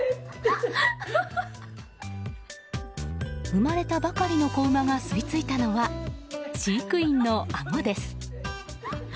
生まれたばかりの子馬が吸い付いたのは飼育員のあごです。